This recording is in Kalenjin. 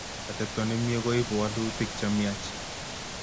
Atepto nemie koipu walutik che miach